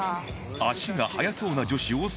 足が速そうな女子を探す